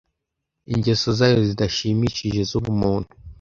ingeso zayo zidashimishije zubumuntu